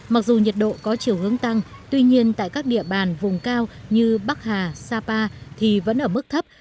mặc dù nhiệt độ có chiều hướng tăng tuy nhiên tại các địa bàn vùng cao như bắc hà sapa thì vẫn ở mức thấp